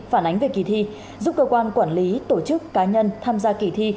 phản ánh về kỳ thi giúp cơ quan quản lý tổ chức cá nhân tham gia kỳ thi